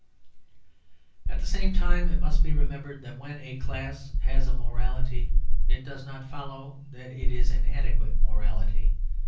At the same time, it must be remembered that when a class has a morality it does not follow that it is an adequate morality.